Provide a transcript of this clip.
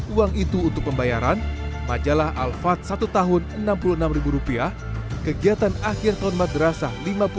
uang itu untuk pembayaran majalah alfat satu tahun enam puluh enam rupiah kegiatan akhir tahun madrasah